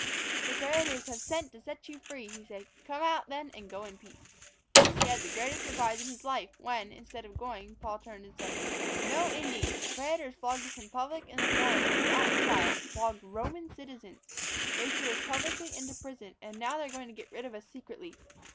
"The prætors have sent to set you free," he said. "Come out then and go in peace." He had the greatest surprise in his life when, instead of going, Paul turned and said: "No, indeed! The prætors flogged us in public in the Forum and without a trial flogged Roman citizens! They threw us publicly into prison, and now they are going to get rid of us secretly.